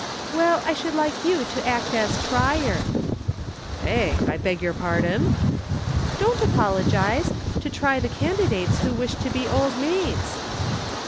"Well, I should like you to act as Trier." "Eh! I beg your pardon?" "Don't apologize; to try the candidates who wish to be Old Maids."